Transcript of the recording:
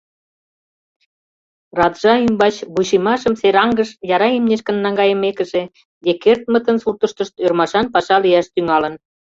Раджа ӱмбач вуйшиймашым Сераҥгыш яра имнешкын наҥгайымекыже, Деккермытын суртыштышт ӧрмашан паша лияш тӱҥалын.